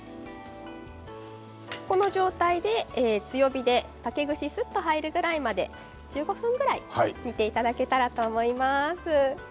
この状態で強火で竹串がすっと入るぐらいまで１５分ぐらい煮ていただければと思います。